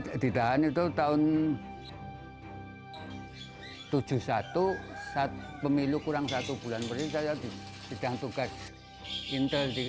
saya ditahan itu tahun seribu sembilan ratus tujuh puluh satu saat pemilu kurang satu bulan bersih saya di bidang tugas intel di